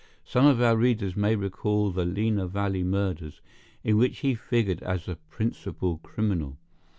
Some of our readers may recall the Lena Valley murders, in which he figured as the principal criminal.